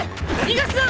逃がすな！